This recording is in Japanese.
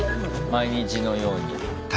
毎日のように。